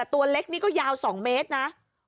ตัวเล็กนี่ก็ยาว๒เมตรนะ